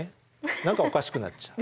何かおかしくなっちゃう。